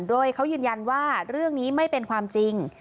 โดยเขายืนยันว่าเรื่องนี้ไม่เป็นความจริง